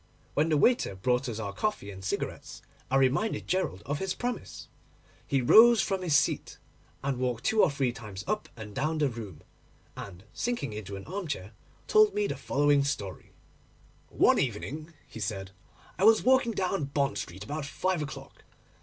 When the waiter brought us our coffee and cigarettes I reminded Gerald of his promise. He rose from his seat, walked two or three times up and down the room, and, sinking into an armchair, told me the following story:— 'One evening,' he said, 'I was walking down Bond Street about five o'clock.